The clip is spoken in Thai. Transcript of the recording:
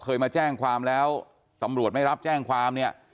เคยมาแจ้งความแล้วตำรวจไม่รับแจ้งความเนี่ย